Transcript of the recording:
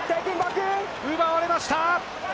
奪われました。